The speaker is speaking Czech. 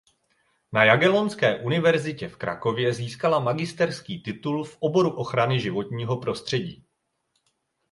Na Jagellonské univerzitě v Krakově získala magisterský titul v oboru ochrany životního prostředí.